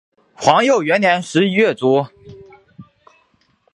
皇佑元年十一月卒。